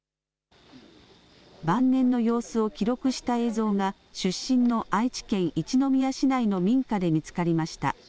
晩年の様子を記録した映像が出身の愛知県一宮市内の民家で見つかりました。